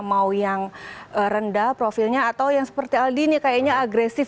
mau yang rendah profilnya atau yang seperti aldi nih kayaknya agresif